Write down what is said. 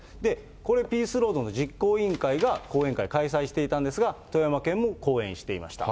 これ、ピースロードの実行委員会が講演会開催していたんですが、富山県も後援していました。